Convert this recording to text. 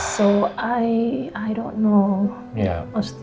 jadi aku nggak tahu